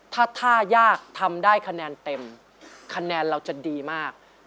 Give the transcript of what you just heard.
ถ้าท่ายากทำได้คะแนนเต็มคะแนนเราจะดีมาก